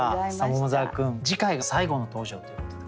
桃沢君次回が最後の登場ということで。